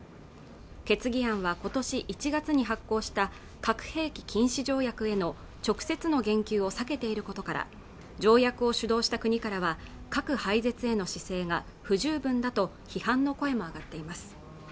決議案はことし１月に発効した核兵器禁止条約への直接の言及を避けていることから条約を主導した国からは核廃絶への姿勢が不十分だと批判の声も上がっています